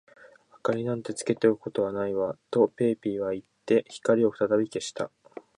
「明りなんかつけておくことはないわ」と、ペーピーはいって、光をふたたび消した。